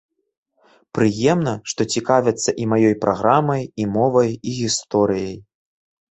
Прыемна, што цікавяцца і маёй праграмай, і мовай, і гісторыяй.